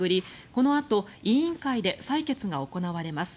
このあと委員会で採決が行われます。